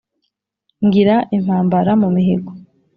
Ngira impambara mu mihigo